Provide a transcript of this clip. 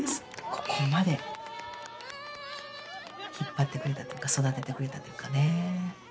ここまで引っ張ってくれたっていうか育ててくれたというかね。